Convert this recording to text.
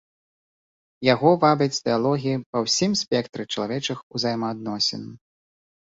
Яго вабяць дыялогі па ўсім спектры чалавечых узаемаадносін.